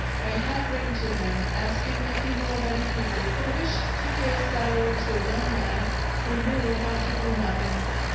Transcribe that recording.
I had written to him, asking if he knew of any people who wished to pay a salary to a young man who knew how to do nothing.